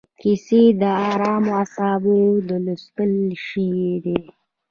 کیسې د ارامو اعصابو د لوست شی دی.